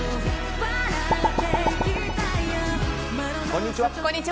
こんにちは。